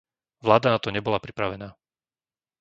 Vláda na to nebola pripravená.